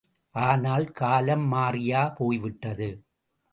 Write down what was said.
ஆனால், காலம் மாறியா போய் விட்டது?